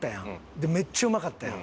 でめっちゃうまかったやん。